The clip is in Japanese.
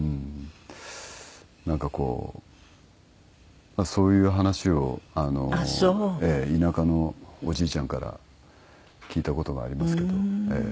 なんかこうそういう話を田舎のおじいちゃんから聞いた事がありますけど。